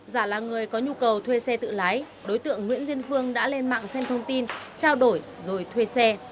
giả là người có nhu cầu thuê xe tự lái đối tượng nguyễn diên phương đã lên mạng xem thông tin trao đổi rồi thuê xe